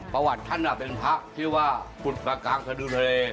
ประวัติท่านเป็นพระที่ว่าพุทธกากาศดุทะเล